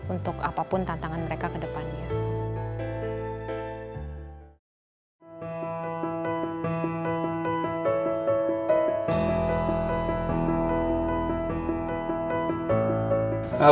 untuk apapun tantangan mereka ke depannya